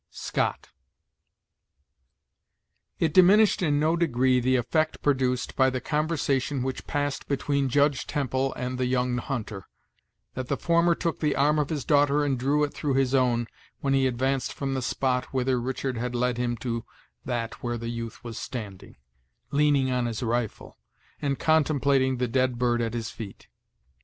Scott. It diminished, in no degree, the effect produced by the conversation which passed between Judge Temple and the I young hunter, that the former took the arm of his daughter and drew it through his own, when he advanced from the spot whither Richard had led him to that where the youth was standing, leaning on his rifle, and contemplating the dead bird at his feet.